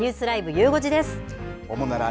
ゆう５時です。